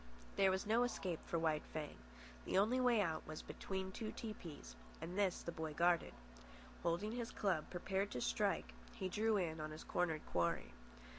There was no escape for White Fang. The only way out was between the two tepees, and this the boy guarded. Holding his club prepared to strike, he drew in on his cornered quarry.